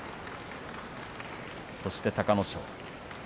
そして隆の勝。